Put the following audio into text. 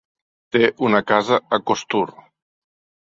Té una casa a Costur.